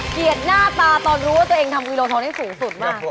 หน้าตาตอนรู้ว่าตัวเองทำกิโลทองได้สูงสุดมาก